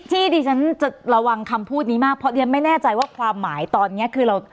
ที่ดิฉันจะระวังคำพูดนี้มากเพราะเรียนไม่แน่ใจว่าความหมายตอนนี้คือเรา